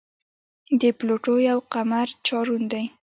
د پلوټو یو قمر چارون دی.